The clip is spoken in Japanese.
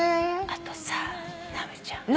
あとさ直美ちゃん。